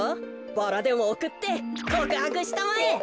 バラでもおくってこくはくしたまえ。